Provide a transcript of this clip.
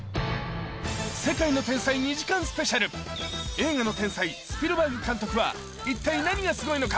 映画の天才スピルバーグ監督は一体何がスゴいのか？